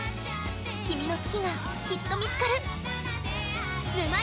君の好きが、きっと見つかる。